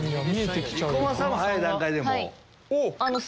生駒さんも早い段階でもう。